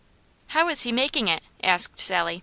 "How is he making it?" asked Sally.